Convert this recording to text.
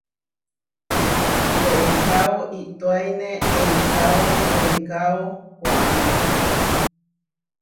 Weekáo iʼtoáine eikáo weekáo koʼáme.